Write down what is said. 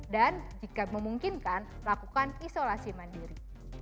dan jika memungkinkan lakukan isolasi mandiri